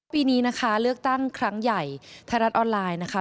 ปีนี้นะคะเลือกตั้งครั้งใหญ่ไทยรัฐออนไลน์นะคะ